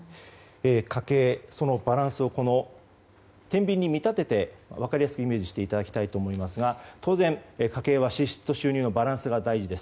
家計、そのバランスを天秤に見立てて分かりやすくイメージしていただきたいと思いますが当然、家計は支出と収入のバランスが大事です。